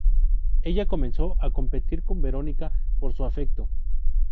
Ella comenzó a competir con Veronica por su afecto.